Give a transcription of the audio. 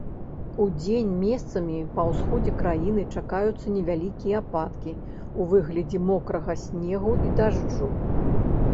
Удзень месцамі па ўсходзе краіны чакаюцца невялікія ападкі ў выглядзе мокрага снегу і дажджу.